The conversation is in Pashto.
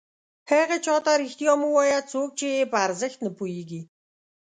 هغه چاته رښتیا مه وایه څوک چې یې په ارزښت نه پوهېږي.